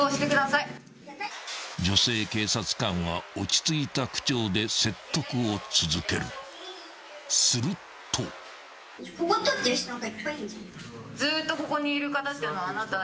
［女性警察官は落ち着いた口調で説得を続ける］［すると］それは全然構いません。